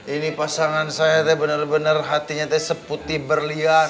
ini pasangan saya teh bener bener hatinya teh seputih berlian